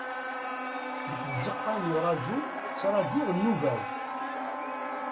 Deg tzeqqa n uraju, ttrajuɣ nnuba-w.